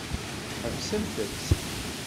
Ḥebsemt-tt.